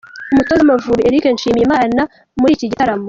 Umutoza w’amavubi Eric Nshimiyimana yari muri iki giatramo.